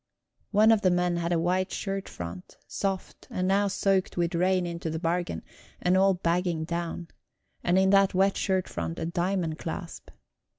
One of the men had a white shirt front, soft, and now soaked with rain into the bargain, and all bagging down; and in that wet shirt front a diamond clasp.